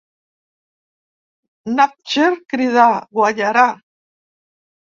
Nafzger cridà: Guanyarà!